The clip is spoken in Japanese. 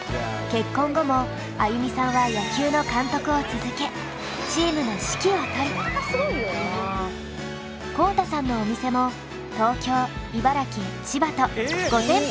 結婚後も安祐美さんは野球の監督を続けチームの指揮を執り公太さんのお店も東京茨城千葉とえっすごいやん！